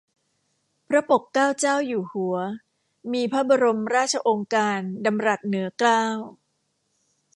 พระปกเกล้าเจ้าอยู่หัว มีพระบรมราชโองการดำรัสเหนือเกล้า